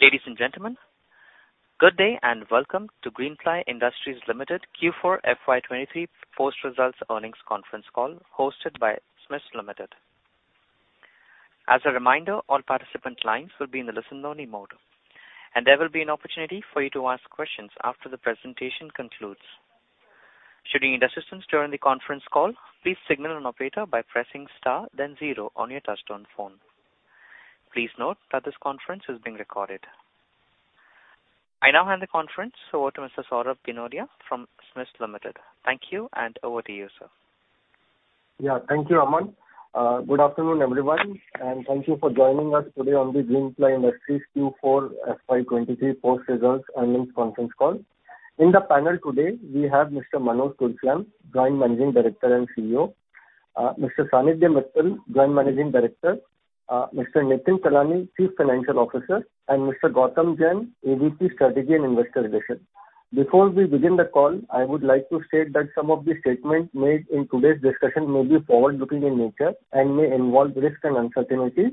Ladies and gentlemen, good day, and welcome to Greenply Industries Limited Q4 FY23 post-results earnings conference call, hosted by SMIFS Limited. As a reminder, all participant lines will be in the listen-only mode, and there will be an opportunity for you to ask questions after the presentation concludes. Should you need assistance during the conference call, please signal an operator by pressing star then zero on your touchtone phone. Please note that this conference is being recorded. I now hand the conference over to Mr. Saurabh Ginodia from SMIFS Limited. Thank you, and over to you, sir. Yeah. Thank you, Aman. Good afternoon, everyone, and thank you for joining us today on the Greenply Industries Q4 FY 23 post-results earnings conference call. In the panel today, we have Mr. Manoj Tulsian, Joint Managing Director and CEO, Mr. Sanidhya Mittal, Joint Managing Director, Mr. Nitin Kalani, Chief Financial Officer, and Mr. Gautam Jain, AVP, Strategy and Investor Relations. Before we begin the call, I would like to state that some of the statements made in today's discussion may be forward-looking in nature and may involve risks and uncertainties.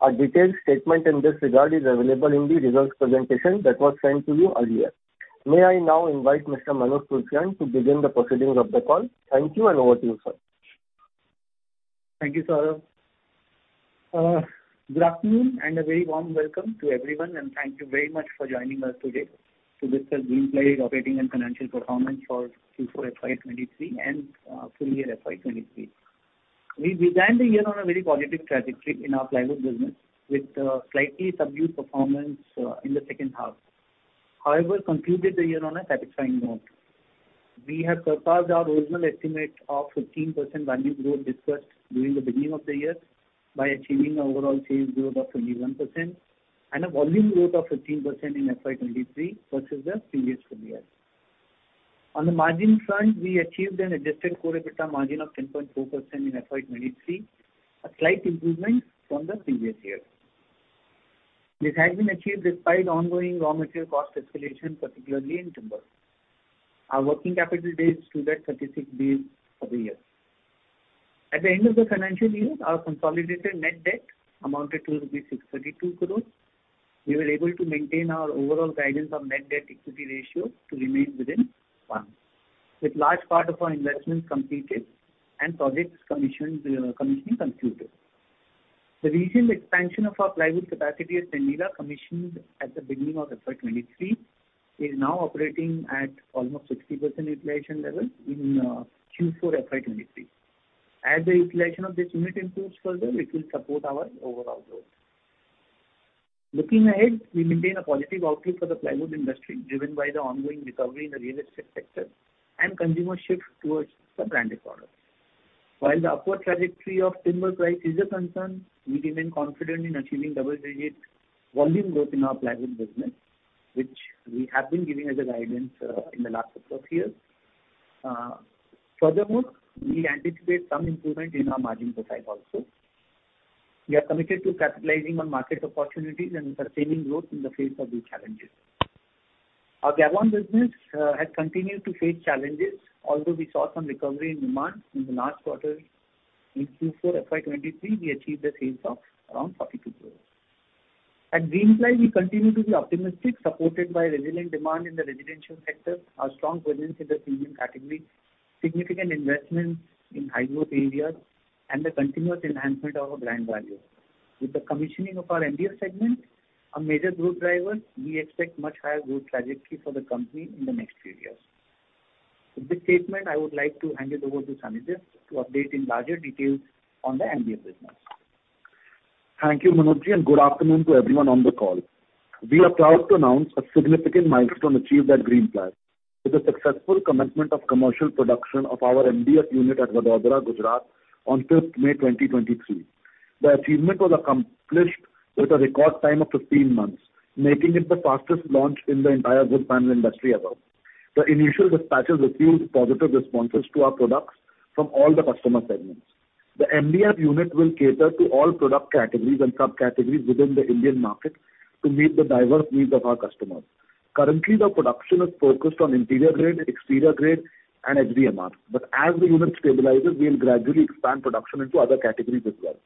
A detailed statement in this regard is available in the results presentation that was sent to you earlier. May I now invite Mr. Manoj Tulsian to begin the proceedings of the call. Thank you, and over to you, sir. Thank you, Saurabh. Good afternoon, and a very warm welcome to everyone, and thank you very much for joining us today to discuss Greenply's operating and financial performance for Q4 FY 2023 and full year FY 2023. We began the year on a very positive trajectory in our plywood business, with a slightly subdued performance in the second half. However, concluded the year on a satisfying note. We have surpassed our original estimate of 15% value growth discussed during the beginning of the year by achieving overall sales growth of 21% and a volume growth of 15% in FY 2023 versus the previous full year. On the margin front, we achieved an adjusted core EBITDA margin of 10.4% in FY 2023, a slight improvement from the previous year. This has been achieved despite ongoing raw material cost escalation, particularly in timber. Our working capital days stood at 36 days for the year. At the end of the financial year, our consolidated net debt amounted to rupees 632 crore. We were able to maintain our overall guidance on net debt equity ratio to remain within one, with large part of our investments completed and projects commissioned, commissioning completed. The recent expansion of our plywood capacity at Sandila, commissioned at the beginning of FY 2023, is now operating at almost 60% utilization level in Q4 FY 2023. As the utilization of this unit improves further, it will support our overall growth. Looking ahead, we maintain a positive outlook for the plywood industry, driven by the ongoing recovery in the real estate sector and consumer shift towards the branded products. While the upward trajectory of timber price is a concern, we remain confident in achieving double-digit volume growth in our plywood business, which we have been giving as a guidance in the last couple of years. Furthermore, we anticipate some improvement in our margin profile also. We are committed to capitalizing on market opportunities and sustaining growth in the face of these challenges. Our Gabon business has continued to face challenges, although we saw some recovery in demand in the last quarter. In Q4 FY 2023, we achieved the sales of around 42 crore. At Greenply, we continue to be optimistic, supported by resilient demand in the residential sector, our strong presence in the premium category, significant investments in high-growth areas, and the continuous enhancement of our brand value. With the commissioning of our MDF segment, a major growth driver, we expect much higher growth trajectory for the company in the next few years. With this statement, I would like to hand it over to Sanidhya to update in larger details on the MDF business. Thank you, Manojji, and good afternoon to everyone on the call. We are proud to announce a significant milestone achieved at Greenply with the successful commencement of commercial production of our MDF unit at Vadodara, Gujarat, on May 5, 2023. The achievement was accomplished with a record time of 15 months, making it the fastest launch in the entire wood panel industry ever. The initial dispatches received positive responses to our products from all the customer segments. The MDF unit will cater to all product categories and subcategories within the Indian market to meet the diverse needs of our customers. Currently, the production is focused on interior grade, exterior grade, and HDMR, but as the unit stabilizes, we'll gradually expand production into other categories as well.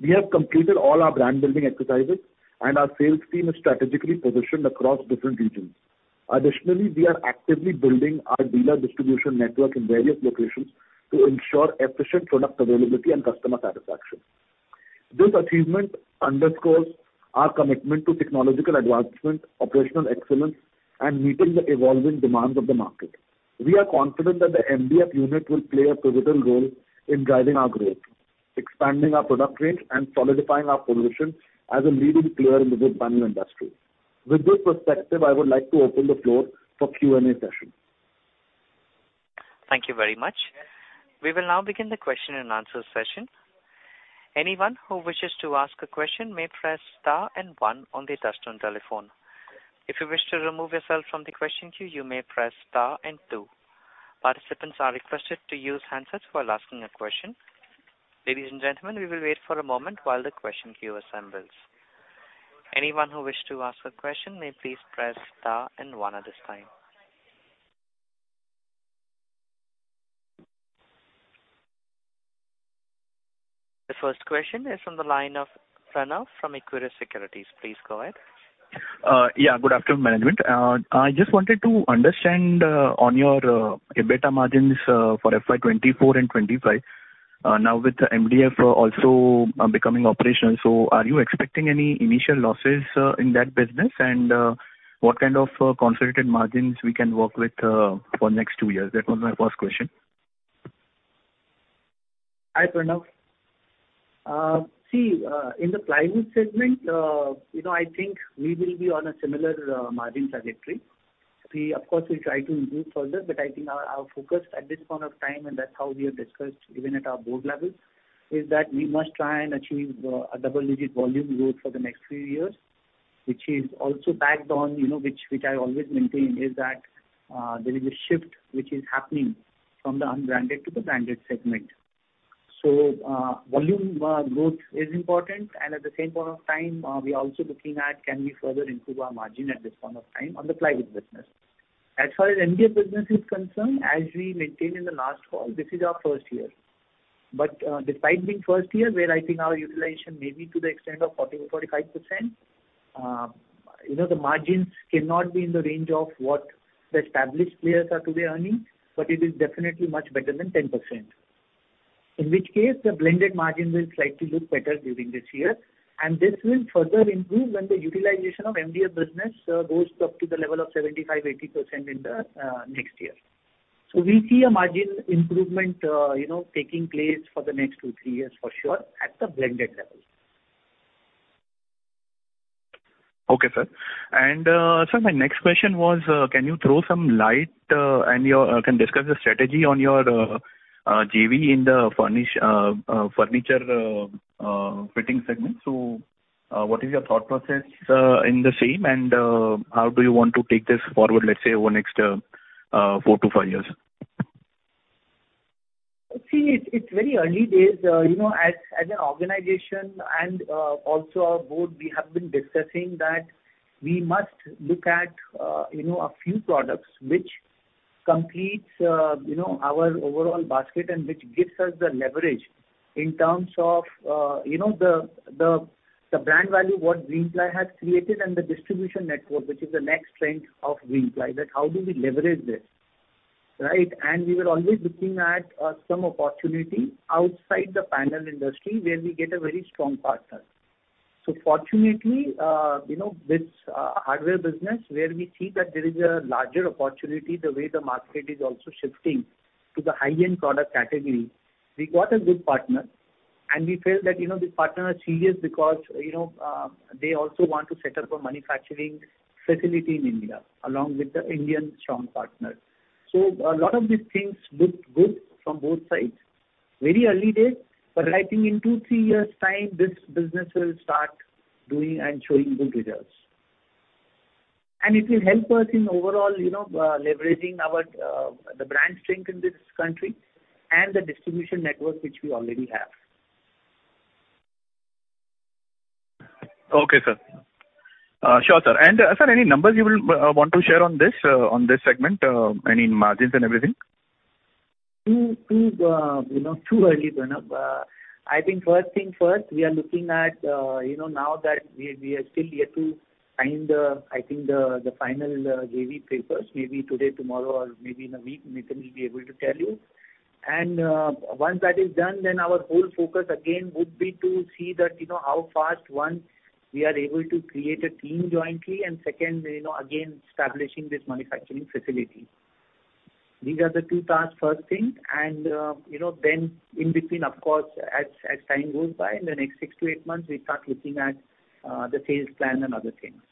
We have completed all our brand building exercises, and our sales team is strategically positioned across different regions. Additionally, we are actively building our dealer distribution network in various locations to ensure efficient product availability and customer satisfaction. This achievement underscores our commitment to technological advancement, operational excellence, and meeting the evolving demands of the market. We are confident that the MDF unit will play a pivotal role in driving our growth, expanding our product range, and solidifying our position as a leading player in the wood panel industry. With this perspective, I would like to open the floor for Q&A session. Thank you very much. We will now begin the question and answer session. Anyone who wishes to ask a question may press star and one on their touchtone telephone. If you wish to remove yourself from the question queue, you may press star and two. Participants are requested to use handsets while asking a question. Ladies and gentlemen, we will wait for a moment while the question queue assembles. Anyone who wish to ask a question may please press star and one at this time... The first question is from the line of Pranav from Equirus Securities. Please go ahead. Yeah, good afternoon, management. I just wanted to understand on your EBITDA margins for FY24 and FY25. Now with the MDF also becoming operational, so are you expecting any initial losses in that business? And what kind of consolidated margins we can work with for next two years? That was my first question. Hi, Pranav. See, in the plywood segment, you know, I think we will be on a similar margin trajectory. We, of course, try to improve further, but I think our focus at this point of time, and that's how we have discussed even at our board level, is that we must try and achieve a double-digit volume growth for the next few years, which is also backed on, you know, which I always maintain, is that there is a shift which is happening from the unbranded to the branded segment. So, volume growth is important, and at the same point of time, we are also looking at can we further improve our margin at this point of time on the plywood business. As far as MDF business is concerned, as we maintained in the last call, this is our first year. But despite being first year, where I think our utilization may be to the extent of 40%-45%, you know, the margins cannot be in the range of what the established players are today earning, but it is definitely much better than 10%. In which case, the blended margin will slightly look better during this year, and this will further improve when the utilization of MDF business goes up to the level of 75%-80% in the next year. So we see a margin improvement, you know, taking place for the next 2-3 years for sure, at the blended level. Okay, sir. And, sir, my next question was, can you throw some light and discuss the strategy on your JV in the furniture fitting segment? So, what is your thought process in the same, and how do you want to take this forward, let's say, over next four to five years? See, it's very early days. You know, as an organization and also our board, we have been discussing that we must look at you know, a few products which completes you know, our overall basket, and which gives us the leverage in terms of you know, the brand value what Greenply has created, and the distribution network, which is the next strength of Greenply, that how do we leverage this, right? And we were always looking at some opportunity outside the panel industry, where we get a very strong partner. So fortunately, you know, this hardware business, where we see that there is a larger opportunity, the way the market is also shifting to the high-end product category, we got a good partner. We felt that, you know, this partner is serious because, you know, they also want to set up a manufacturing facility in India, along with the Indian strong partner. A lot of these things looked good from both sides. Very early days, but I think in 2-3 years' time, this business will start doing and showing good results. It will help us in overall, you know, leveraging our, the brand strength in this country and the distribution network, which we already have. Okay, sir. Sure, sir. Sir, any numbers you will want to share on this segment, any margins and everything? Too, too, you know, too early, Pranav. I think first things first, we are looking at, you know, now that we, we are still yet to find the, I think the, the final, JV papers. Maybe today, tomorrow, or maybe in a week, Nitin will be able to tell you. And, once that is done, then our whole focus again would be to see that, you know, how fast, one, we are able to create a team jointly, and second, you know, again, establishing this manufacturing facility. These are the two tasks, first thing, and, you know, then in between, of course, as time goes by, in the next 6-8 months, we start looking at, the sales plan and other things.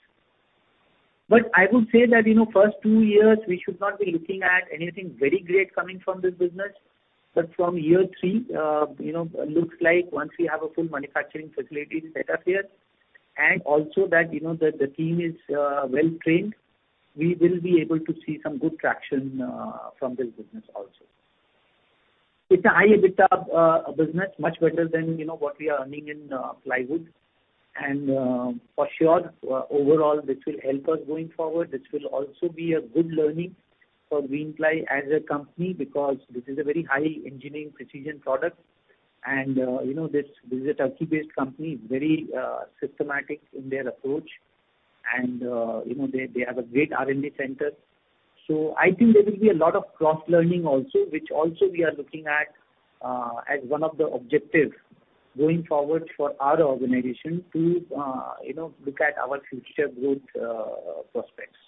But I would say that, you know, first two years, we should not be looking at anything very great coming from this business. But from year three, you know, looks like once we have a full manufacturing facility set up here, and also that, you know, the, the team is well-trained, we will be able to see some good traction from this business also. It's a high EBITDA business, much better than, you know, what we are earning in plywood. And for sure, overall, this will help us going forward. This will also be a good learning for Greenply as a company, because this is a very high engineering precision product. And you know, this, this is a Turkey-based company, very systematic in their approach. And you know, they, they have a great R&D center. I think there will be a lot of cross-learning also, which also we are looking at, as one of the objectives going forward for our organization to, you know, look at our future growth, prospects.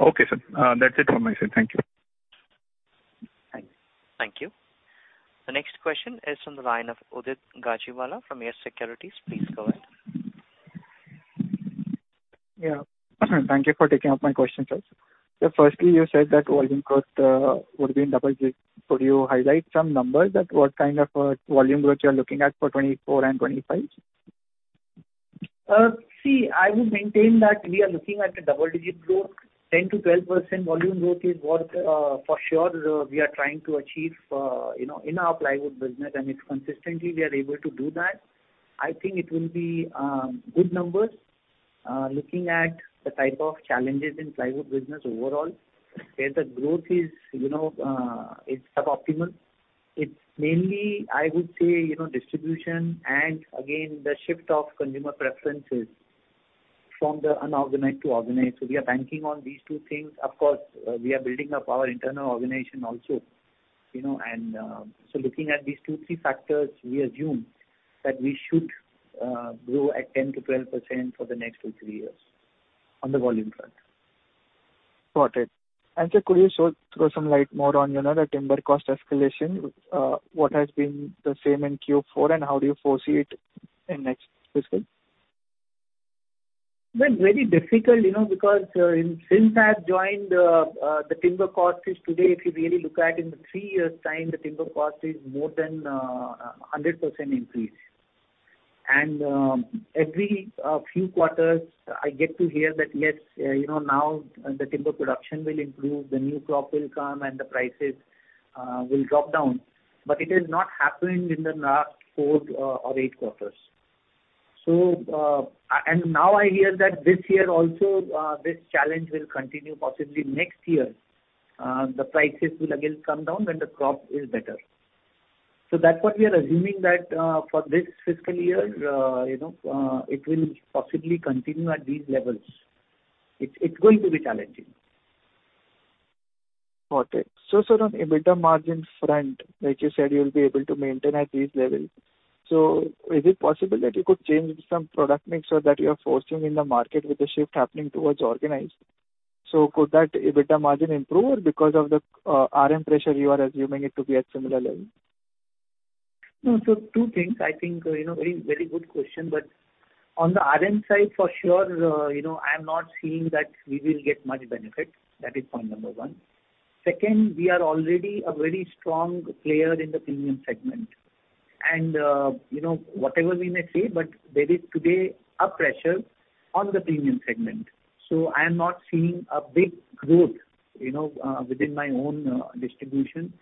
Okay, sir. That's it from my side. Thank you. Thank you. Thank you. The next question is from the line of Udit Gajiwala from Axis Securities. Please go ahead. Yeah. Thank you for taking up my question, sir. So firstly, you said that volume growth would be in double digits. Could you highlight some numbers that what kind of volume growth you are looking at for 2024 and 2025? See, I would maintain that we are looking at a double-digit growth. 10%-12% volume growth is what, for sure, we are trying to achieve, you know, in our plywood business, and it's consistently we are able to do that. I think it will be good numbers. Looking at the type of challenges in plywood business overall, where the growth is, you know, is sub-optimal. It's mainly, I would say, you know, distribution and again, the shift of consumer preferences from the unorganized to organized. So we are banking on these two things. Of course, we are building up our internal organization also, you know, and, so looking at these two, three factors, we assume that we should grow at 10%-12% for the next two, three years on the volume front. Got it. And sir, could you throw some light more on, you know, the timber cost escalation? What has been the same in Q4, and how do you foresee it in next fiscal? Well, very difficult, you know, because since I've joined, the timber cost is today, if you really look at in the three years time, the timber cost is more than a 100% increase. And every few quarters I get to hear that: yes, you know, now the timber production will improve, the new crop will come and the prices will drop down. But it has not happened in the last four or eight quarters. So and now I hear that this year also this challenge will continue possibly next year. The prices will again come down when the crop is better. So that's what we are assuming, that for this fiscal year, you know, it will possibly continue at these levels. It's going to be challenging. Got it. So, sir, on EBITDA margin front, like you said, you'll be able to maintain at these levels. So is it possible that you could change some product mix that you are forcing in the market with the shift happening towards organized? So could that EBITDA margin improve or because of the RM pressure, you are assuming it to be at similar level? No. So two things, I think, you know, very, very good question, but on the RM side, for sure, you know, I'm not seeing that we will get much benefit. That is point number one. Second, we are already a very strong player in the premium segment. And, you know, whatever we may say, but there is today a pressure on the premium segment. So I am not seeing a big growth, you know, within my own distribution,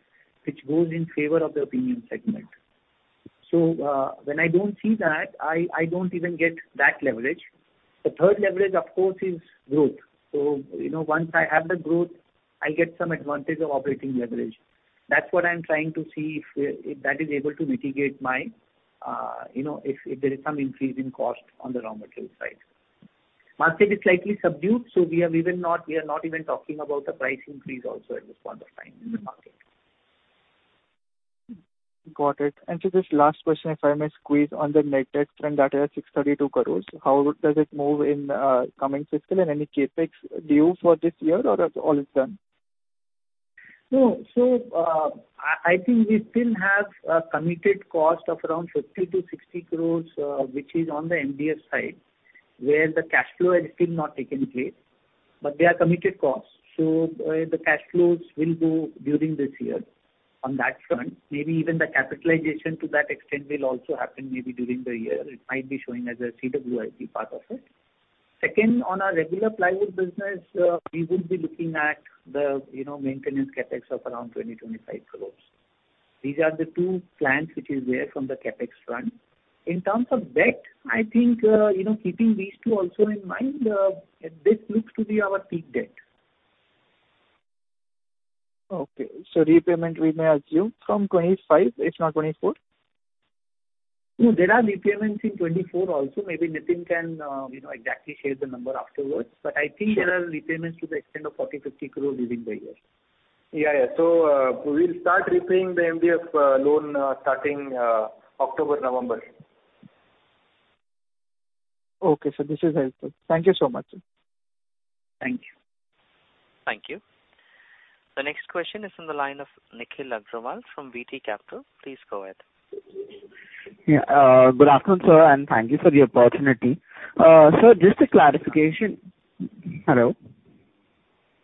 which goes in favor of the premium segment. So, when I don't see that, I don't even get that leverage. The third leverage, of course, is growth. So, you know, once I have the growth, I get some advantage of operating leverage. That's what I'm trying to see, if, if that is able to mitigate my, you know, if, if there is some increase in cost on the raw material side. Market is slightly subdued, so we are not even talking about the price increase also at this point of time in the market. Got it. And so just last question, if I may squeeze on the net debt trend that is 632 crore. How does it move in coming fiscal and any CapEx due for this year, or that all is done? No. So, I think we still have a committed cost of around 50-60 crores, which is on the MDF side, where the cash flow has still not taken place, but they are committed costs. So, the cash flows will go during this year. On that front, maybe even the capitalization to that extent will also happen maybe during the year. It might be showing as a CWIP part of it. Second, on our regular plywood business, we would be looking at the, you know, maintenance CapEx of around 20-25 crores. These are the two plans which is there from the CapEx front. In terms of debt, I think, you know, keeping these two also in mind, this looks to be our peak debt. Okay. So repayment we may assume from 2025, if not 2024? No, there are repayments in 2024 also. Maybe Nitin can, you know, exactly share the number afterwards, but I think there are repayments to the extent of 40-50 crore during the year. Yeah, yeah. So, we'll start repaying the MDF loan starting October, November. Okay, sir, this is helpful. Thank you so much. Thank you. Thank you. The next question is on the line of Nikhil Agarwal from VT Capital. Please go ahead. Yeah, good afternoon, sir, and thank you for the opportunity. Sir, just a clarification... Hello?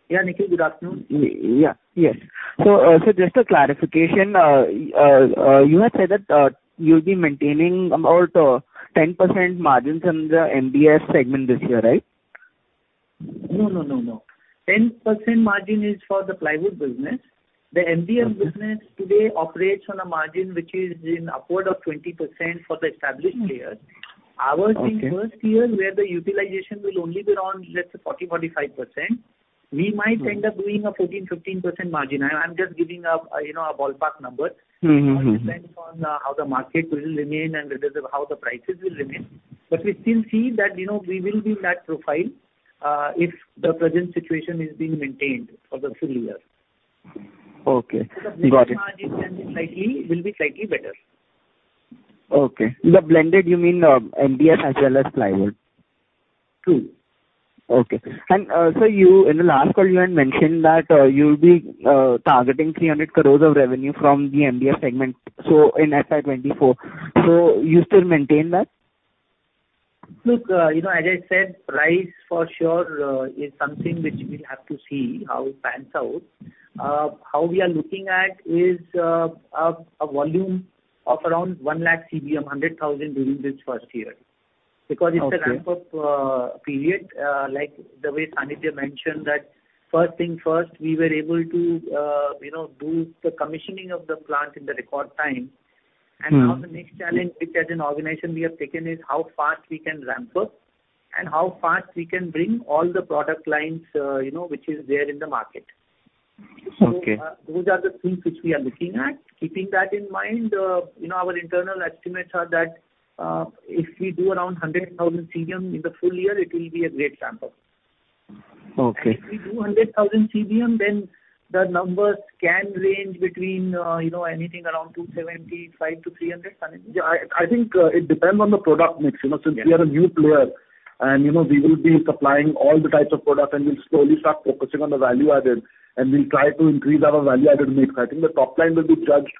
Yeah, Nikhil, good afternoon. Yeah. Yes. So, just a clarification. You had said that you'll be maintaining about 10% margin from the MDF segment this year, right? No, no, no, no. 10% margin is for the plywood business. The MDF business today operates on a margin which is in upward of 20% for the established players. Okay. Ours in first year, where the utilization will only be around, let's say, 40%-45%, we might end up doing a 14%-15% margin. I'm just giving a, you know, a ballpark number. Mm-hmm, mm-hmm. It depends on how the market will remain and it is how the prices will remain. But we still see that, you know, we will be in that profile, if the present situation is being maintained for the full year. Okay. Got it. The blended margin will be slightly better. Okay. The blended, you mean, MDF as well as plywood? True. Okay. And, sir, you in the last call, you had mentioned that, you'll be targeting 300 crore of revenue from the MDF segment, so in FY 2024. So you still maintain that? Look, you know, as I said, price for sure is something which we'll have to see how it pans out. How we are looking at is a volume of around 100,000 CBM during this first year. Okay. Because it's a ramp-up period, like the way Sanidhya mentioned, that first thing first, we were able to, you know, do the commissioning of the plant in the record time. And now the next challenge, which as an organization we have taken, is how fast we can ramp up, and how fast we can bring all the product lines, you know, which is there in the market. Okay. Those are the things which we are looking at. Keeping that in mind, you know, our internal estimates are that, if we do around 100,000 CBM in the full year, it will be a great sample. Okay. If we do 100,000 CBM, then the numbers can range between, you know, anything around 275-300, Sanidhya? Yeah, I think it depends on the product mix. You know, since we are a new player and, you know, we will be supplying all the types of products, and we'll slowly start focusing on the value added, and we'll try to increase our value-added mix. I think the top line will be judged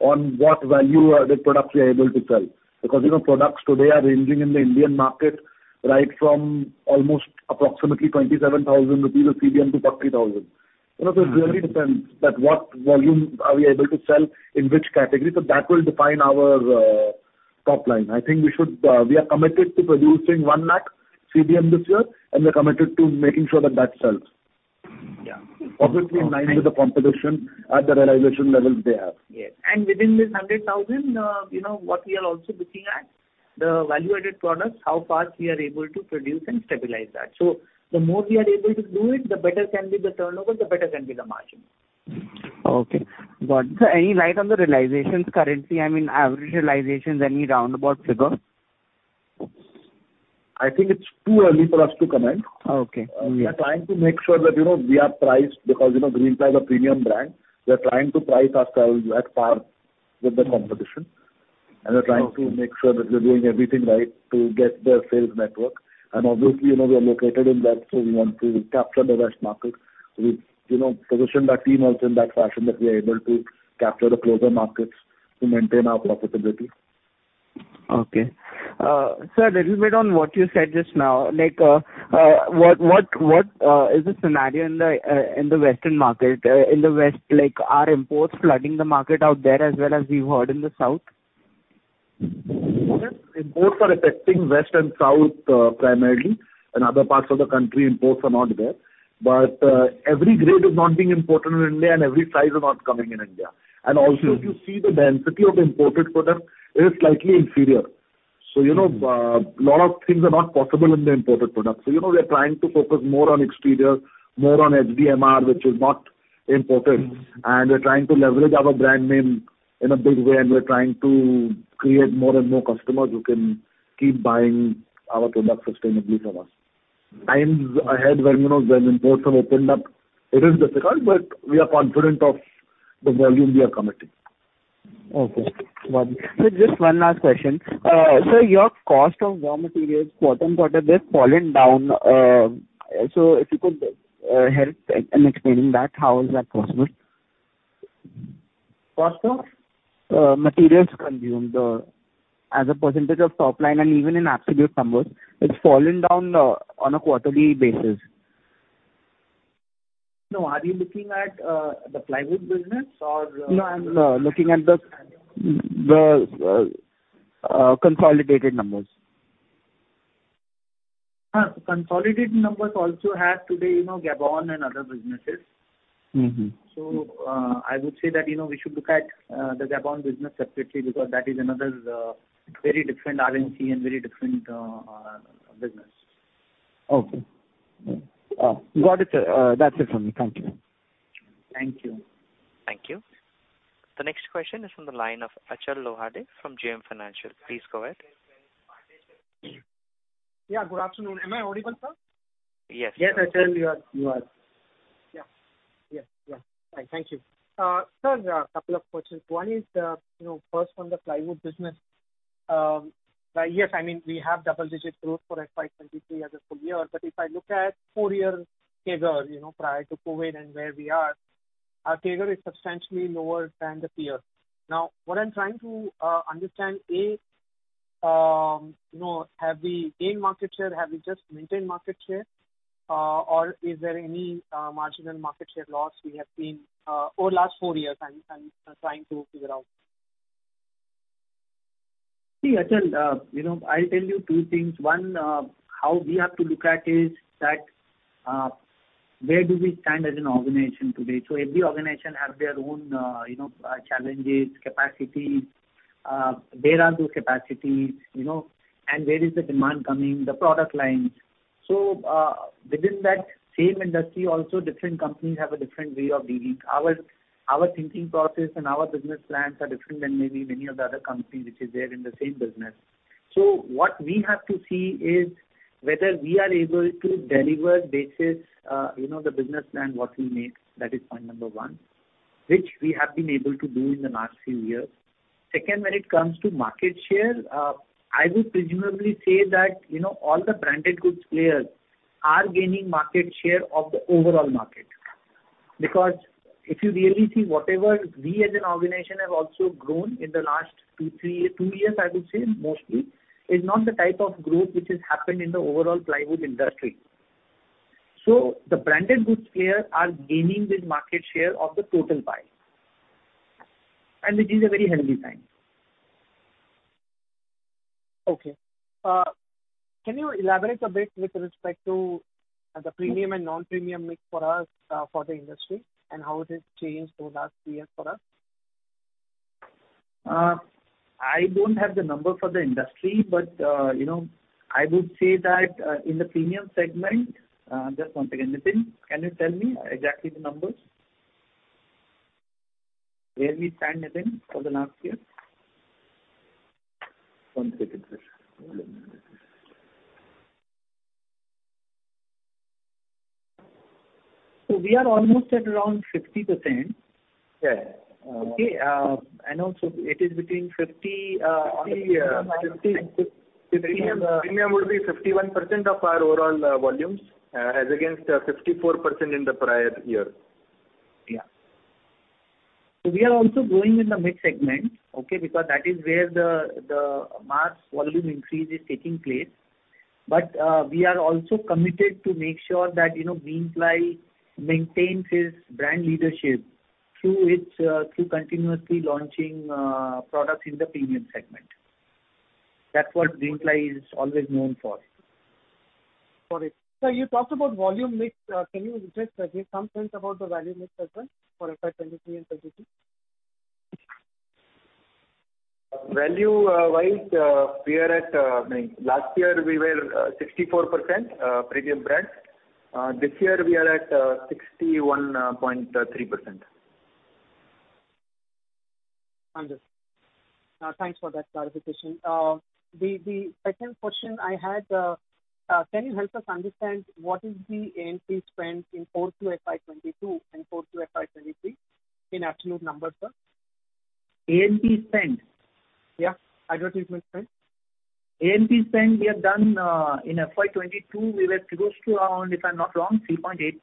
on what value-added products we are able to sell. Because, you know, products today are ranging in the Indian market right from almost approximately 27,000 rupees a CBM to 30,000. You know, so it really depends that what volume are we able to sell in which category, so that will define our top line. I think we should, we are committed to producing 100,000 CBM this year, and we're committed to making sure that, that sells. Yeah. Obviously, in line with the competition at the realization levels they have. Yes, and within this 100,000, you know, what we are also looking at, the value-added products, how fast we are able to produce and stabilize that. So the more we are able to do it, the better can be the turnover, the better can be the margin. Okay. Got any light on the realizations currently? I mean, average realizations, any roundabout figure? I think it's too early for us to comment. Okay. We are trying to make sure that, you know, we are priced because, you know, Greenply are a premium brand. We are trying to price ourselves at par with the competition, and we're trying to make sure that we're doing everything right to get the sales network. Obviously, you know, we are located in that, so we want to capture the west market. We've, you know, positioned our team also in that fashion that we are able to capture the closer markets to maintain our profitability. Okay. Sir, little bit on what you said just now, like, what is the scenario in the western market? In the West, like, are imports flooding the market out there as well as we've heard in the South? Imports are affecting West and South, primarily. In other parts of the country, imports are not there. But every grade is not being imported in India and every size are not coming in India. And also, if you see the density of the imported product, it is slightly inferior. So, you know, a lot of things are not possible in the imported product. So, you know, we are trying to focus more on exterior, more on HDMR, which is not imported. Mm. We're trying to leverage our brand name in a big way, and we're trying to create more and more customers who can keep buying our product sustainably from us. Times ahead when, you know, when imports have opened up, it is difficult, but we are confident of the volume we are committing. Okay. Got it. Sir, just one last question. Sir, your cost of raw materials, quarter-on-quarter, they've fallen down. So if you could, help in explaining that, how is that possible? Cost of? Materials consumed, as a percentage of top line, and even in absolute numbers, it's fallen down, on a quarterly basis. No. Are you looking at the plywood business or- No, I'm looking at the consolidated numbers. Consolidated numbers also have today, you know, Gabon and other businesses. Mm-hmm. I would say that, you know, we should look at the Gabon business separately, because that is another very different RNC and very different business. Okay. Got it, sir. That's it from me. Thank you. Thank you. Thank you. The next question is from the line of Achal Lohade from JM Financial. Please go ahead. Yeah. Good afternoon. Am I audible, sir? Yes. Yes, Achal, you are, you are. Yeah. Yes, yeah. Thank you. Sir, a couple of questions. One is, you know, first on the plywood business. Yes, I mean, we have double-digit growth for FY 2023 as a full year, but if I look at four-year CAGR, you know, prior to COVID and where we are, our CAGR is substantially lower than the peer. Now, what I'm trying to understand, A, you know, have we gained market share? Have we just maintained market share? Or is there any marginal market share loss we have seen over the last four years? I'm trying to figure out. See, Achal, you know, I'll tell you two things. One, how we have to look at is that, where do we stand as an organization today? So every organization have their own, you know, challenges, capacities, where are those capacities? You know, and where is the demand coming, the product lines. So, within that same industry, also, different companies have a different way of dealing. Our thinking process and our business plans are different than maybe many of the other companies which is there in the same business. So what we have to see is whether we are able to deliver basis, you know, the business plan, what we make. That is point number one, which we have been able to do in the last few years. Second, when it comes to market share, I will presumably say that, you know, all the branded goods players are gaining market share of the overall market. Because if you really see whatever we as an organization have also grown in the last 2, 3, 2 years, I would say mostly, is not the type of growth which has happened in the overall plywood industry. So the branded goods players are gaining this market share of the total pie, and it is a very healthy sign. ...Okay. Can you elaborate a bit with respect to the premium and non-premium mix for us, for the industry, and how it has changed over the last three years for us? I don't have the number for the industry, but, you know, I would say that, in the premium segment, just one second. Nitin, can you tell me exactly the numbers? Where we stand, Nitin, for the last year? One second, please. We are almost at around 60%. Yeah. Okay, and also it is between 50/50- Premium, premium would be 51% of our overall volumes, as against 54% in the prior year. Yeah. So we are also growing in the mid segment, okay, because that is where the mass volume increase is taking place. But, we are also committed to make sure that, you know, Greenply maintains its brand leadership through its, through continuously launching, products in the premium segment. That's what Greenply is always known for. Got it. Sir, you talked about volume mix, can you just give some sense about the value mix as well for FY23 and 22? Value wise, we are at, I mean, last year we were 64%, premium brand. This year we are at 61.3%. Understood. Thanks for that clarification. The second question I had, can you help us understand what is the A&P spend in forward to FY 2022 and forward to FY 2023 in absolute numbers, sir? A&P spend? Yeah, advertisement spend. A&P spend, we have done in FY22, we were close to around, if I'm not wrong, 3.8%,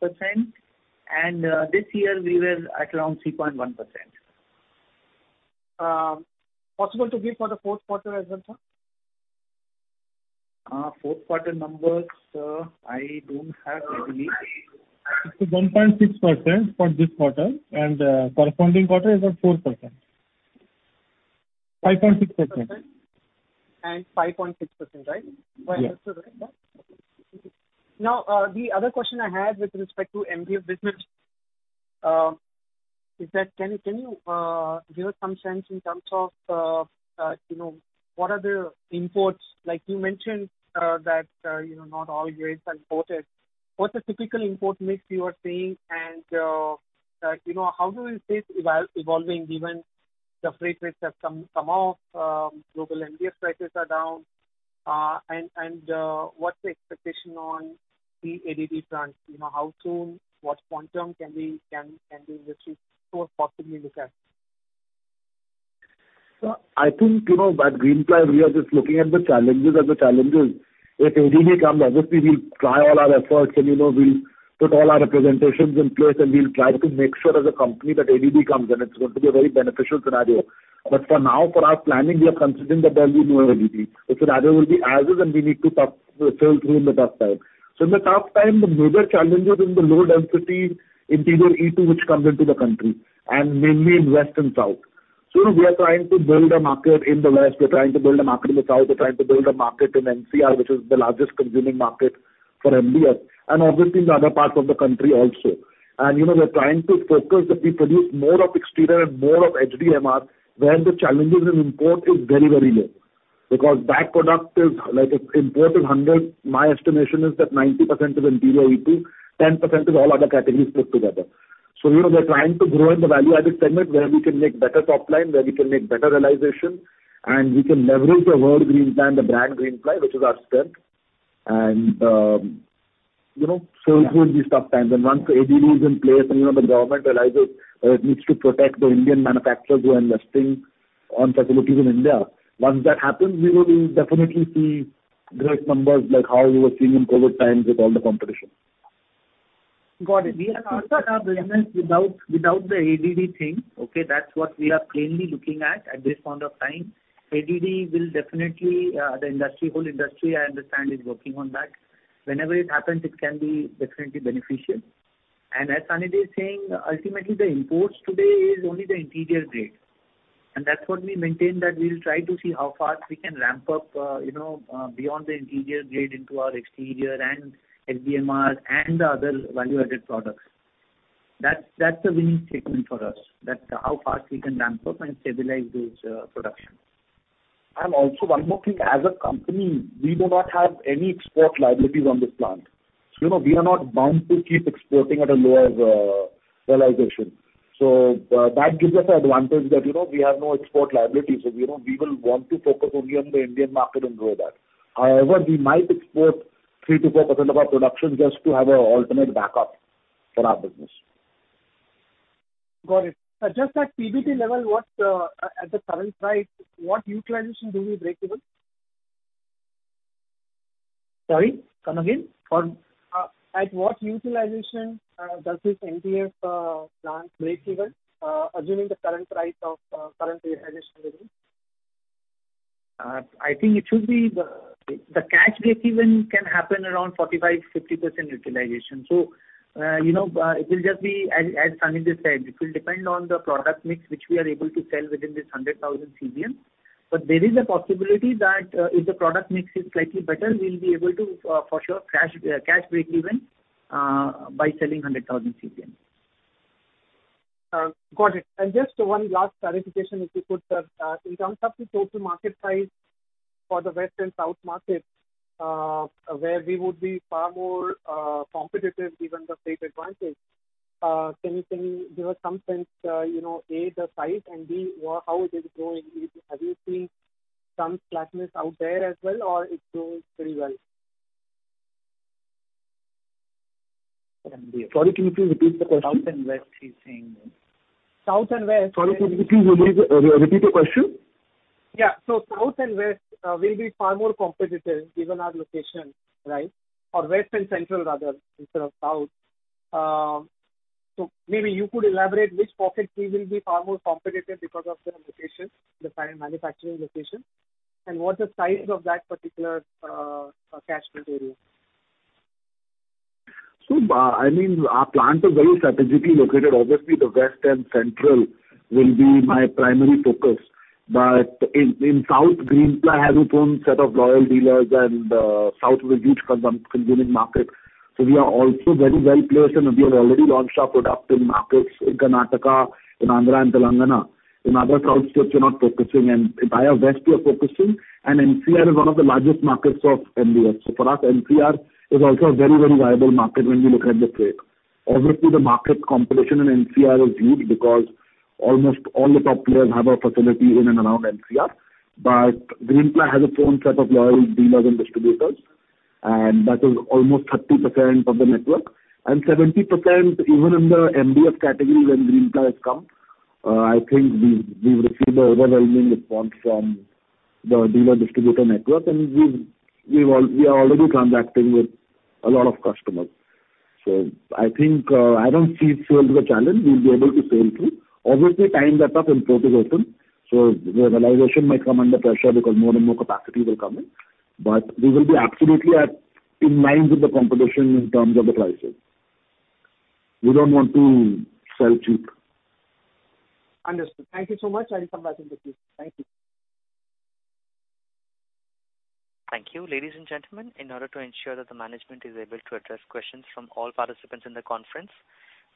and this year we were at around 3.1%. Possible to give for the fourth quarter as well, sir? Fourth quarter numbers, I don't have, I believe. It's 1.6% for this quarter, and, corresponding quarter is at 4%. 5.6%. 5.6%, right? Yes. Now, the other question I had with respect to MDF business, is that can you give us some sense in terms of, you know, what are the imports? Like, you mentioned that, you know, not all grades are imported. What's the typical import mix you are seeing, and, you know, how do you see this evolving given the freight rates have come off, global MDF prices are down, and, what's the expectation on the ADD front? You know, how soon, what quantum can we, the industry store possibly look at? So I think, you know, at Greenply, we are just looking at the challenges as the challenges. If ADD comes, obviously, we'll try all our efforts and, you know, we'll put all our representations in place, and we'll try to make sure as a company that ADD comes, and it's going to be a very beneficial scenario. But for now, for our planning, we are considering that there will be no ADD. The scenario will be as is, and we need to tough, sail through in the tough time. So in the tough time, the major challenge is in the low-density interior E2 which comes into the country, and mainly in West and South. So we are trying to build a market in the West, we're trying to build a market in the South, we're trying to build a market in NCR, which is the largest consuming market for MDF, and obviously in the other parts of the country also. And, you know, we are trying to focus that we produce more of exterior and more of HDMR, where the challenges in import is very, very low. Because that product is like if import is 100, my estimation is that 90% is interior E2, 10% is all other categories put together. So, you know, we are trying to grow in the value-added segment where we can make better top line, where we can make better realization, and we can leverage the word Greenply and the brand Greenply, which is our strength, and, you know, sail through these tough times. Once ADD is in place and, you know, the government realizes that it needs to protect the Indian manufacturers who are investing on facilities in India, once that happens, you know, we'll definitely see great numbers like how we were seeing in COVID times with all the competition. Got it. We are also in our business without, without the ADD thing, okay? That's what we are plainly looking at, at this point of time. ADD will definitely, the industry, whole industry, I understand, is working on that. Whenever it happens, it can be definitely beneficial. And as Sanidhya is saying, ultimately the imports today is only the interior grade. And that's what we maintain, that we will try to see how fast we can ramp up, you know, beyond the interior grade into our exterior and HDMR and the other value-added products. That's, that's a winning statement for us, that how fast we can ramp up and stabilize this, production. Also one more thing, as a company, we do not have any export liabilities on this plant. So, you know, we are not bound to keep exporting at a lower realization. So, that gives us an advantage that, you know, we have no export liability. So, you know, we will want to focus only on the Indian market and grow that. However, we might export 3%-4% of our production just to have an alternate backup for our business. Got it. Just at PBT level, what, at the current price, what utilization do we break even? Sorry, come again. At what utilization does this MDF plant break even, assuming the current price of current realization level? I think it should be the cash breakeven can happen around 45%-50% utilization. So, you know, it will just be as, as Sanidhya said, it will depend on the product mix, which we are able to sell within this 100,000 CBM. But there is a possibility that, if the product mix is slightly better, we'll be able to, for sure, cash, cash breakeven, by selling 100,000 CBM. Got it. And just one last clarification, if you could, sir. In terms of the total market size for the West and South markets, where we would be far more competitive, given the freight advantage, can you give us some sense, you know, A, the size, and B, how it is growing? Have you seen some flatness out there as well, or it's growing pretty well? Sorry, can you please repeat the question? South and West, he's saying. South and West- Sorry, could you please repeat the question? Yeah. So South and West will be far more competitive given our location, right? Or West and Central rather, instead of South. So maybe you could elaborate which pockets we will be far more competitive because of the location, the current manufacturing location, and what the size of that particular catchment area. So, I mean, our plant is very strategically located. Obviously, the West and Central will be my primary focus. But in South, Greenply has its own set of loyal dealers, and South is a huge consuming market, so we are also very well placed, and we have already launched our product in markets in Karnataka, in Andhra and Telangana. In other south states, we're not focusing, and entire West we are focusing, and NCR is one of the largest markets of MDF. So for us, NCR is also a very, very viable market when we look at the freight. Obviously, the market competition in NCR is huge because almost all the top players have a facility in and around NCR. But Greenply has a strong set of loyal dealers and distributors, and that is almost 30% of the network. 70%, even in the MDF category when Greenply has come, I think we've received an overwhelming response from the dealer-distributor network, and we are already transacting with a lot of customers. So I think, I don't see sales as a challenge. We'll be able to sell through. Obviously, time that import is open, so the realization might come under pressure because more and more capacities will come in. But we will be absolutely in line with the competition in terms of the prices. We don't want to sell cheap. Understood. Thank you so much, I will come back to you. Thank you. Thank you. Ladies and gentlemen, in order to ensure that the management is able to address questions from all participants in the conference,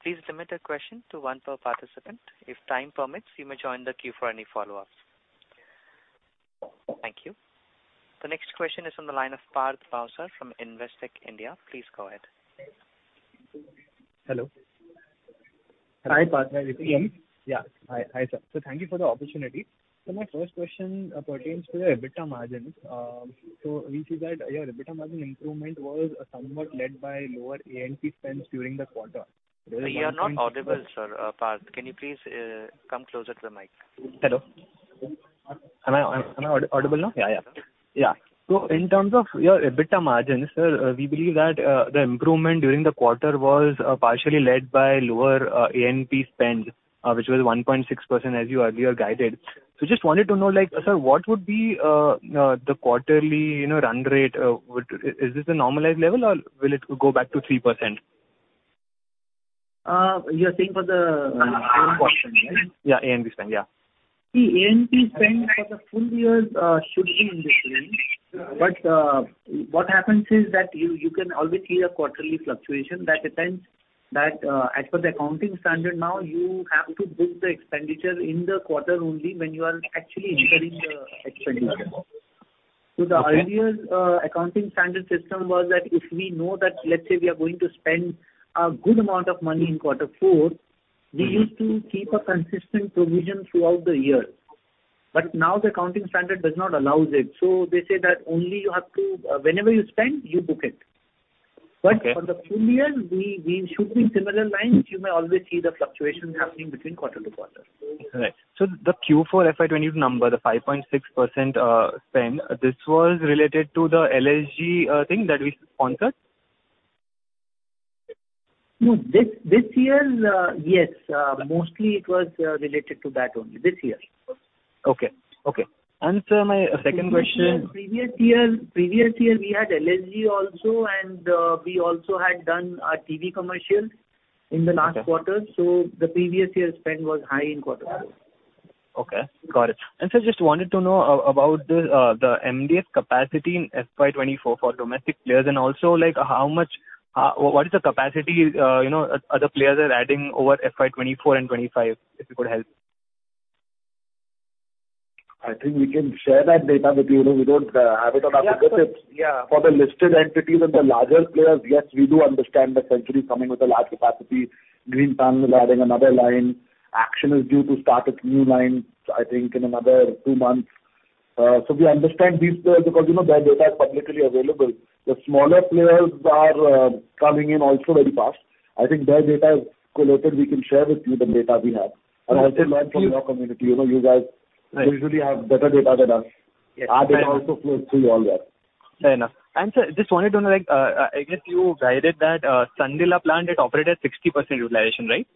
please limit your question to one per participant. If time permits, you may join the queue for any follow-ups. Thank you. The next question is from the line of Parth Bhavsar from Investec India. Please go ahead. Hello. Hi, Parth. How are you? Yeah. Hi. Hi, sir. So thank you for the opportunity. So my first question pertains to the EBITDA margins. So we see that your EBITDA margin improvement was somewhat led by lower A&P spends during the quarter. You are not audible, sir, Parth. Can you please come closer to the mic? Hello. Am I audible now? Yeah, yeah. Yeah. So in terms of your EBITDA margins, sir, we believe that the improvement during the quarter was partially led by lower A&P spends, which was 1.6%, as you earlier guided. So just wanted to know, like, sir, what would be the quarterly, you know, run rate? Is this a normalized level, or will it go back to 3%? You are saying for the A&P spend, right? Yeah, A&P spend, yeah. The A&P spend for the full year should be in this range. But what happens is that you can always see a quarterly fluctuation that, as per the accounting standard now, you have to book the expenditure in the quarter only when you are actually incurring the expenditure. Okay. So the earlier accounting standard system was that if we know that, let's say, we are going to spend a good amount of money in quarter four, we used to keep a consistent provision throughout the year. But now the accounting standard does not allow it. So they say that only you have to, whenever you spend, you book it. Okay. But for the full year, we should be in similar lines. You may always see the fluctuations happening between quarter to quarter. Right. So the Q4 FY 2022 number, the 5.6% spend, this was related to the LSG thing that we sponsored? No, this, this year, yes, mostly it was related to that only, this year. Okay. Okay. Sir, my second question- Previous year, previous year, we had LSG also, and we also had done a TV commercial in the last quarter. Okay. The previous year spend was high in quarter four. Okay, got it. And so I just wanted to know about the MDF capacity in FY 2024 for domestic players, and also, like, how much... What is the capacity, you know, other players are adding over FY 2024 and 2025, if you could help? I think we can share that data with you. We don't have it on our fingertips. Yeah. For the listed entities and the larger players, yes, we do understand that Century is coming with a large capacity. Greenply is adding another line. Action is due to start its new line, I think, in another two months. So we understand these players because, you know, their data is publicly available. The smaller players are coming in also very fast. I think their data is collated. We can share with you the data we have, and also learn from your community. You know, you guys- Right... usually have better data than us. Yes. Our data also flows through you all well. Fair enough. And sir, just wanted to know, like, I guess you guided that Sandila plant had operated at 60% utilization, right?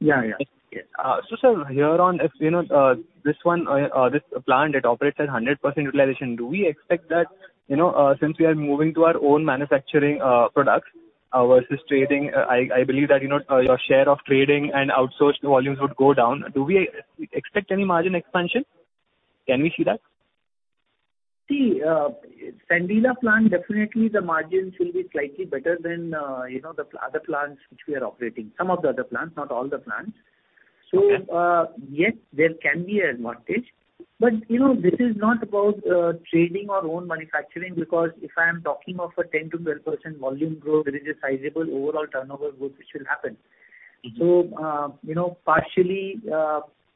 ...Yeah, yeah. So sir, here on if, you know, this one, this plant, it operates at 100% utilization. Do we expect that, you know, since we are moving to our own manufacturing products versus trading, I, I believe that, you know, your share of trading and outsourced volumes would go down. Do we expect any margin expansion? Can we see that? See, Sandila plant, definitely the margins will be slightly better than, you know, the other plants which we are operating. Some of the other plants, not all the plants. Okay. So, yes, there can be advantage, but, you know, this is not about trading our own manufacturing because if I am talking of a 10%-12% volume growth, there is a sizable overall turnover growth which will happen. Mm-hmm. So, you know, partially,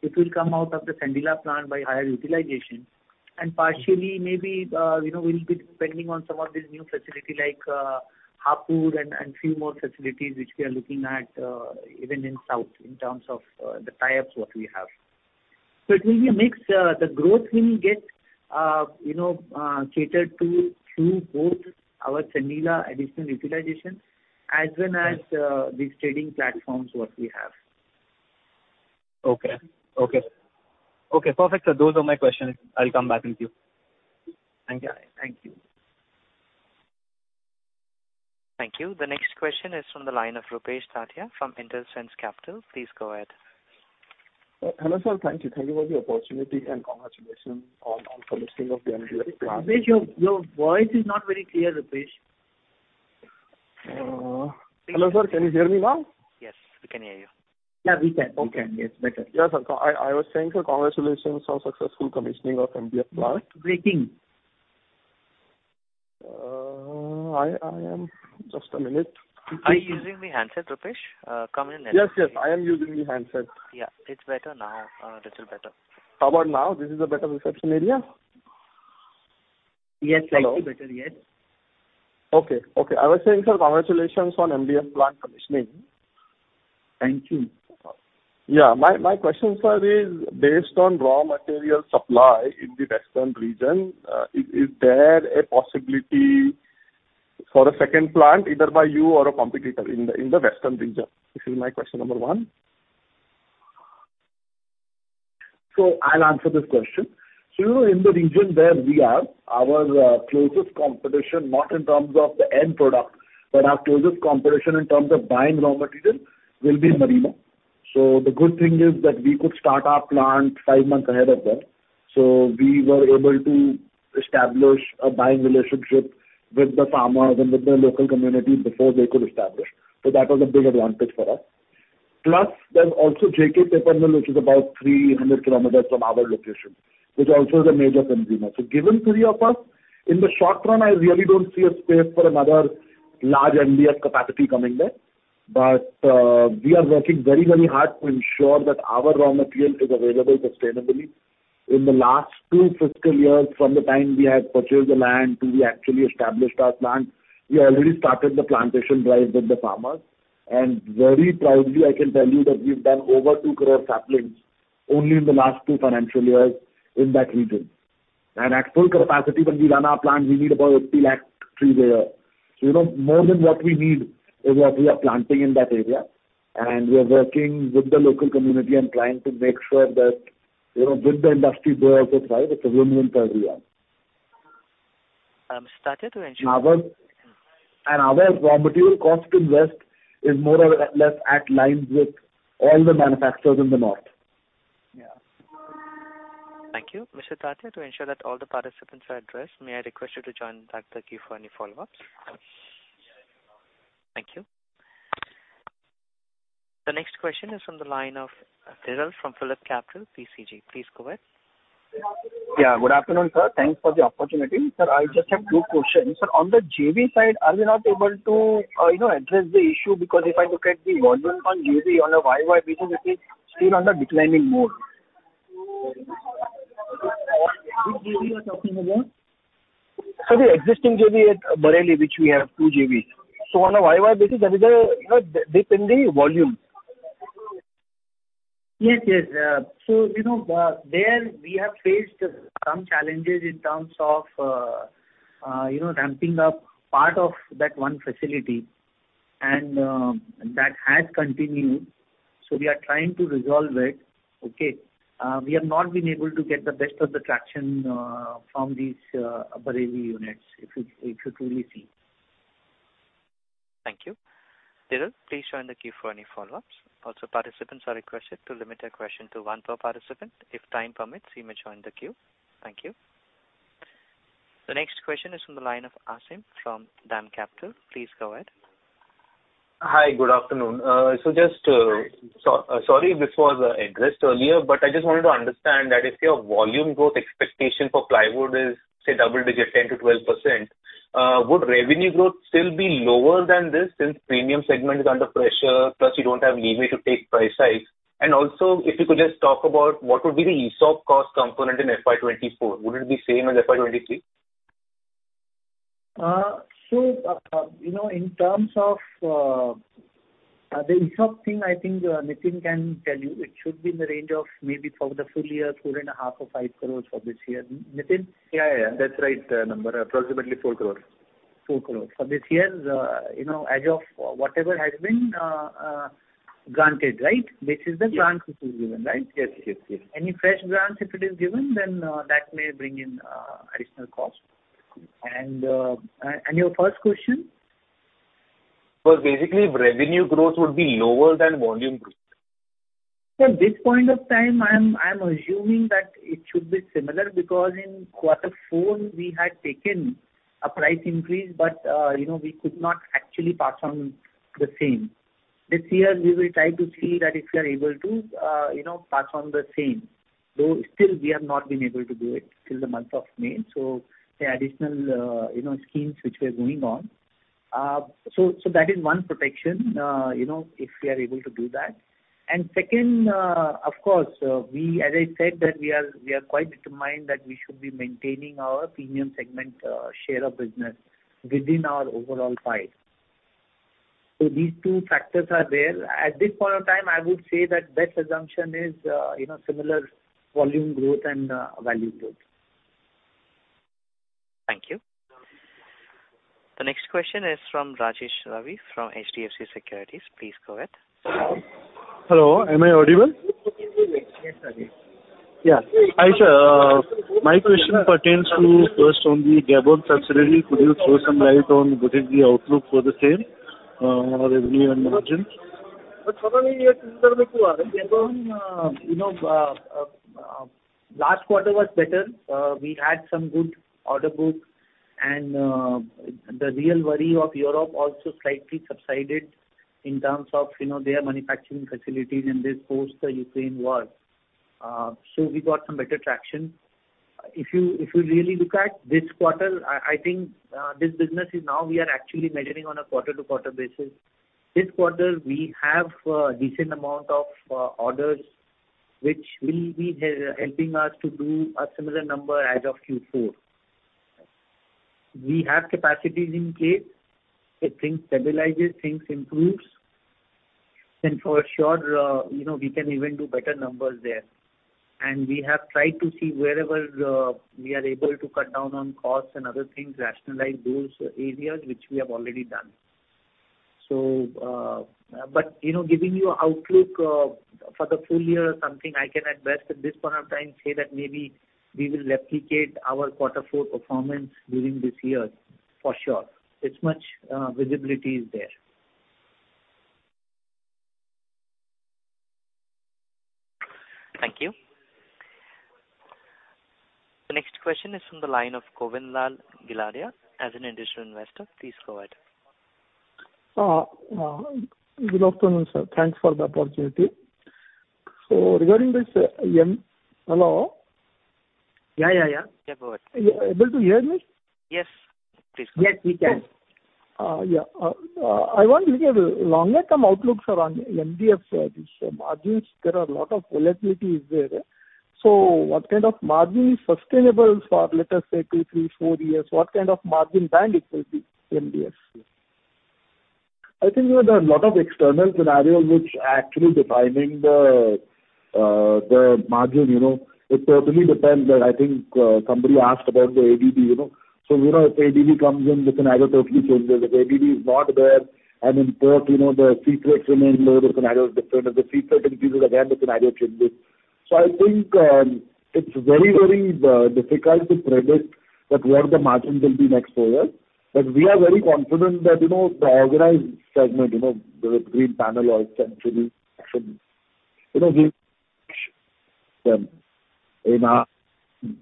it will come out of the Sandila plant by higher utilization, and partially, maybe, you know, we'll be depending on some of these new facility like, Hapur and, and few more facilities which we are looking at, even in South, in terms of, the tie-ups what we have. So it will be a mix. The growth will get, you know, catered to through both our Sandila additional utilization, as well as, these trading platforms, what we have. Okay. Okay. Okay, perfect, sir. Those are my questions. I'll come back with you. Thank you. Thank you. Thank you. The next question is from the line of Rupesh Tatia from Intelsense Capital. Please go ahead. Hello, sir. Thank you. Thank you for the opportunity, and congratulations on, on for listing of the MDF plant. Rupesh, your voice is not very clear, Rupesh. Hello, sir, can you hear me now? Yes, we can hear you. Yeah, we can. Okay. Yes, better. Yeah, sir. I was saying, sir, congratulations on successful commissioning of MDF plant. Waiting. I am... Just a minute. Are you using the handset, Rupesh? Come in and- Yes, yes, I am using the handset. Yeah, it's better now. Little better. How about now? This is a better reception area? Yes- Hello? Slightly better. Yes. Okay. Okay. I was saying, sir, congratulations on MDF plant commissioning. Thank you. Yeah. My question, sir, is based on raw material supply in the western region. Is there a possibility for a second plant, either by you or a competitor in the western region? This is my question number one. So I'll answer this question. You know, in the region where we are, our closest competition, not in terms of the end product, but our closest competition in terms of buying raw material will be Merino. The good thing is that we could start our plant five months ahead of them. We were able to establish a buying relationship with the farmers and with the local community before they could establish. That was a big advantage for us. Plus, there's also JK Paper mill, which is about 300 kilometers from our location, which also is a major consumer. Given three of us, in the short run, I really don't see a space for another large MDF capacity coming there. But we are working very, very hard to ensure that our raw material is available sustainably. In the last 2 fiscal years, from the time we had purchased the land till we actually established our plant, we already started the plantation drive with the farmers. Very proudly, I can tell you that we've done over 2 crore saplings only in the last 2 financial years in that region. At full capacity, when we run our plant, we need about 80 lakh trees a year. So, you know, more than what we need is what we are planting in that area, and we are working with the local community and trying to make sure that, you know, with the industry they also thrive. It's a win-win for everyone. Started to ensure- Our raw material cost to invest is more or less aligned with all the manufacturers in the north. Yeah. Thank you. Mr. Tatya, to ensure that all the participants are addressed, may I request you to join back the queue for any follow-ups? Thank you. The next question is from the line of. Please go ahead. Yeah, good afternoon, sir. Thanks for the opportunity. Sir, I just have two questions. Sir, on the JV side, are we not able to, you know, address the issue? Because if I look at the volume on JV on a YY basis, it is still on the declining mode. Which JV are you talking about? Sir, the existing JV at Bareilly, which we have two JVs. So on a YoY basis, there is a dip, you know, in the volume. Yes, yes. So, you know, there we have faced some challenges in terms of, you know, ramping up part of that one facility, and that has continued. So we are trying to resolve it. Okay? We have not been able to get the best of the traction from these Bareilly units, if you, if you truly see. Thank you. Dhiral, please join the queue for any follow-ups. Also, participants are requested to limit their question to one per participant. If time permits, you may join the queue. Thank you. The next question is from the line of Aasim from DAM Capital. Please go ahead. Hi, good afternoon. So just, sorry if this was addressed earlier, but I just wanted to understand that if your volume growth expectation for plywood is, say, double-digit, 10%-12%, would revenue growth still be lower than this since premium segment is under pressure, plus you don't have leeway to take price hike? And also, if you could just talk about what would be the ESOP cost component in FY 2024. Would it be same as FY 2023? So, you know, in terms of the ESOP thing, I think Nitin can tell you. It should be in the range of maybe for the full year, 4.5 crores or 5 crores for this year. Nitin? Yeah, yeah, yeah. That's right, number, approximately 4 crore.... 4 crore. For this year, you know, as of whatever has been granted, right? This is the grant which is given, right? Yes, yes, yes. Any fresh grants, if it is given, then, that may bring in additional cost. Your first question? Was basically revenue growth would be lower than volume growth. So at this point of time, I'm, I'm assuming that it should be similar, because in quarter four, we had taken a price increase, but, you know, we could not actually pass on the same. This year, we will try to see that if we are able to, you know, pass on the same, though still we have not been able to do it till the month of May. So the additional, you know, schemes which we are going on. So that is one protection, you know, if we are able to do that. And second, of course, we -- as I said, that we are, we are quite determined that we should be maintaining our premium segment, share of business within our overall pie. So these two factors are there. At this point of time, I would say that best assumption is, you know, similar volume growth and, value growth. Thank you. The next question is from Rajesh Ravi from HDFC Securities. Please go ahead. Hello, am I audible? Yes, Rajesh. Yeah. Hi, sir. My question pertains to first on the Gabon subsidiary. Could you throw some light on what is the outlook for the same, revenue and margins? But probably, if you look at Gabon, you know, last quarter was better. We had some good order book, and the real worry of Europe also slightly subsided in terms of, you know, their manufacturing facilities in this post the Ukraine war. So we got some better traction. If you really look at this quarter, I think this business is now we are actually measuring on a quarter-to-quarter basis. This quarter, we have a decent amount of orders, which will be helping us to do a similar number as of Q4. We have capacities in place. If things stabilizes, things improves, then for sure, you know, we can even do better numbers there. We have tried to see wherever we are able to cut down on costs and other things, rationalize those areas, which we have already done. So, but, you know, giving you outlook for the full year or something, I can at best, at this point of time, say that maybe we will replicate our quarter four performance during this year, for sure. It's much, visibility is there. Thank you. The next question is from the line of Govind Lal Gilada, as an additional investor. Please go ahead. Good afternoon, sir. Thanks for the opportunity. So regarding this. Hello? Yeah, yeah, yeah. Go ahead. Are you able to hear me? Yes, please. Yes, we can. I want to look at the longer term outlook, sir, on MDF. So the margins, there are a lot of volatility is there. So what kind of margin is sustainable for, let us say, 2, 3, 4 years? What kind of margin band it will be, MDF? I think there are a lot of external scenarios which are actually defining the margin, you know. It totally depends on, I think, somebody asked about the ADD, you know. So, you know, if ADD comes in, the scenario totally changes. If ADD is not there, and import, you know, the sea freights remain low, the scenario is different. If the sea freight increases again, the scenario changes. So I think, it's very, very difficult to predict that where the margins will be next four years. But we are very confident that, you know, the organized segment, you know, the Greenpanel or Century, you know, we in our,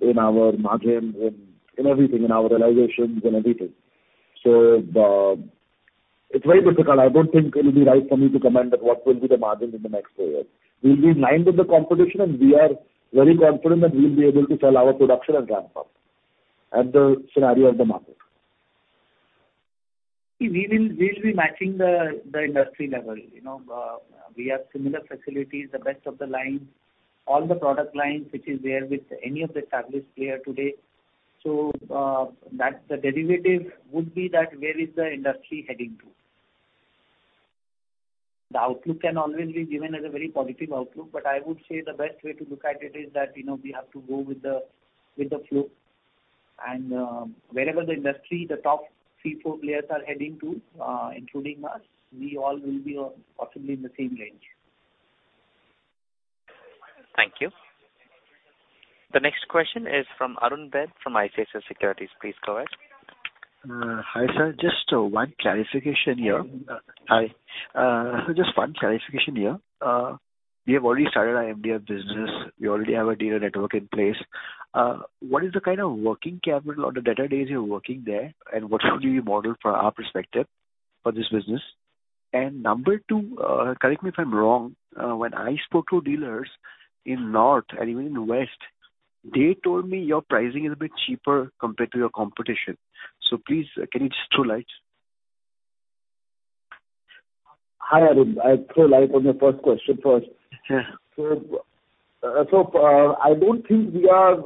in our margin, in, in everything, in our realizations, in everything. So the... It's very difficult. I don't think it will be right for me to comment on what will be the margin in the next four years. We'll be in line with the competition, and we are very confident that we will be able to sell our production as ramped up at the scenario of the market. We will be matching the industry level. You know, we have similar facilities, the best of the line, all the product lines, which is there with any of the established player today. So, that the derivative would be that where is the industry heading to? The outlook can always be given as a very positive outlook, but I would say the best way to look at it is that, you know, we have to go with the flow. And, wherever the industry, the top three, four players are heading to, including us, we all will be, possibly in the same range. Thank you. The next question is from Arun Baid from ICICI Securities. Please go ahead. Hi, sir. Just one clarification here. We have already started our MDF business. We already have a dealer network in place. What is the kind of working capital or the debtor days you're working there, and what should we model from our perspective for this business? And number two, correct me if I'm wrong, when I spoke to dealers in north and even in west, they told me your pricing is a bit cheaper compared to your competition. So please, can you just throw light? Hi, Arun. I'll throw light on your first question first. Sure. So, I don't think we are,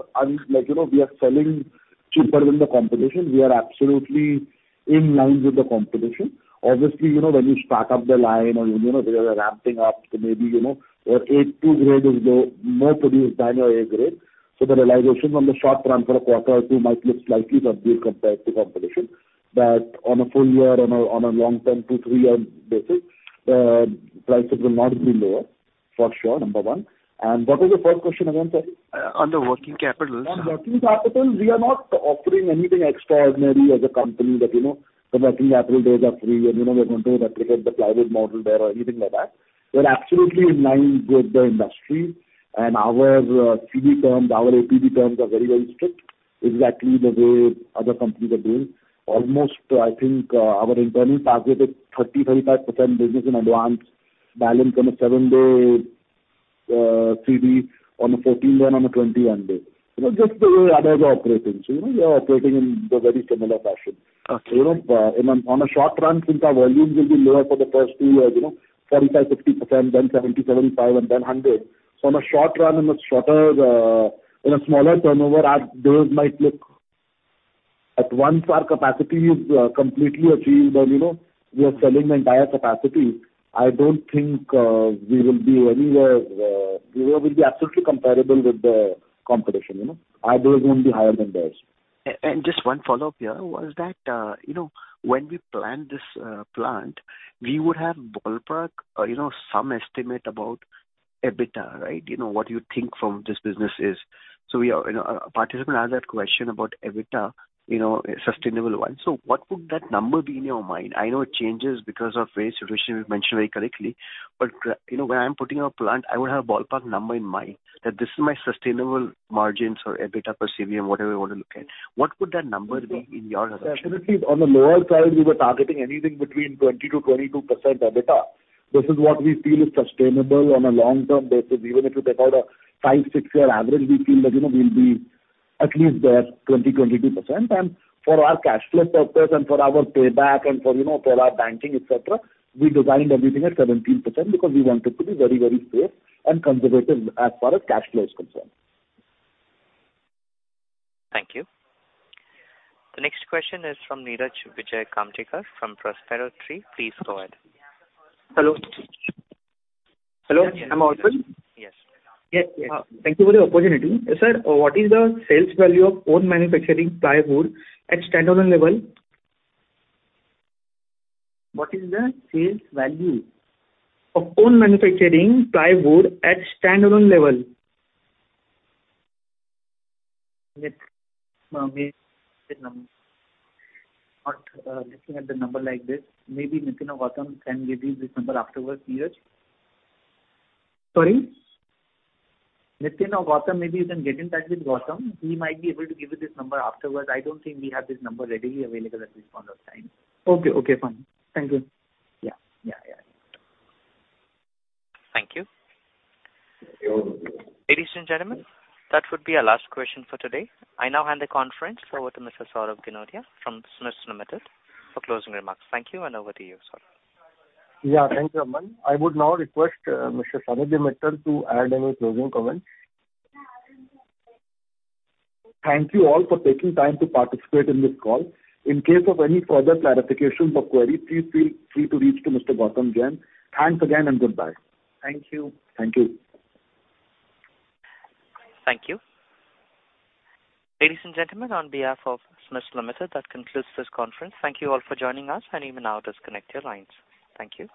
like, you know, we are selling cheaper than the competition. We are absolutely in line with the competition. Obviously, you know, when you start up the line or, you know, we are ramping up, so maybe, you know, your A2 grade is low, more produced than your A grade. So the realization on the short term for a quarter or two might look slightly subdued compared to competition. That on a full year, on a long term, 2-3-year basis, prices will not be lower, for sure, number one. And what was your first question again, sorry? On the working capital. On working capital, we are not offering anything extraordinary as a company that, you know, the working capital days are free, and, you know, we're going to replicate the plywood model there or anything like that. We're absolutely in line with the industry, and our, CD terms, our APB terms are very, very strict, exactly the way other companies are doing. Almost, I think, our internal target is 30%-35% business in advance, balance on a 7-day, CD, on a 14- and on a 21-day. You know, just the way others are operating. So, you know, we are operating in the very similar fashion. Okay. You know, and on a short run, since our volumes will be lower for the first two years, you know, 45-60%, then 70-75%, and then 100%. So on a short run, in a shorter, in a smaller turnover, our days might look... Once our capacity is completely achieved, and, you know, we are selling the entire capacity, I don't think we will be anywhere, we will be absolutely comparable with the competition, you know. Our days won't be higher than theirs. Just one follow-up here, was that, you know, when we planned this plant, we would have ballpark or, you know, some estimate about EBITDA, right? You know, what you think from this business is. So we are, you know, a participant asked that question about EBITDA, you know, a sustainable one. So what would that number be in your mind? I know it changes because of various situations you've mentioned very correctly, but, you know, when I'm putting a plant, I would have a ballpark number in mind, that this is my sustainable margins or EBITDA per CBM, whatever you want to look at. What would that number be in your estimation? Absolutely. On the lower side, we were targeting anything between 20%-22% EBITDA. This is what we feel is sustainable on a long-term basis. Even if you take out a 5-6-year average, we feel that, you know, we'll be at least there, 20-22%. And for our cash flow purpose and for our payback and for, you know, for our banking, et cetera, we designed everything at 17% because we want it to be very, very clear and conservative as far as cash flow is concerned. Thank you. The next question is from Niraj Vijay Kamtekar, from Prospero Tree. Please go ahead. Hello? Hello, am I audible? Yes. Yes, yes. Thank you for the opportunity. Sir, what is the sales value of own manufacturing plywood at standalone level? What is the sales value? Of own manufacturing plywood at standalone level. Let me get the number. Not looking at the number like this. Maybe Nitin or Gautam can give you this number afterwards, Neeraj. Sorry? Nitin or Gautam, maybe you can get in touch with Gautam. He might be able to give you this number afterwards. I don't think we have this number readily available at this point of time. Okay, okay, fine. Thank you. Yeah. Yeah, yeah. Thank you. Thank you. Ladies and gentlemen, that would be our last question for today. I now hand the conference over to Mr. Saurabh Ginodia from SMIFS Limited, for closing remarks. Thank you, and over to you, sir. Yeah, thank you, Aman. I would now request Mr. Sanidhya Mittal to add any closing comments. Thank you all for taking time to participate in this call. In case of any further clarifications or queries, please feel free to reach to Mr. Gautam Jain. Thanks again, and goodbye. Thank you. Thank you. Ladies and gentlemen, on behalf of Greenply Industries Limited, that concludes this conference. Thank you all for joining us, and you may now disconnect your lines. Thank you.